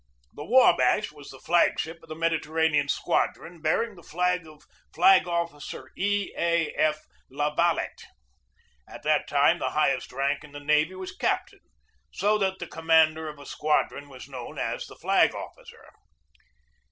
The W abash was the flag ship of the Mediterranean Squad ron, bearing the flag of Flag Officer E. A. F. La Valette. At that time the highest rank in the navy was captain, so that the commander of a squadron was known as the flag officer.